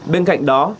bên cạnh đó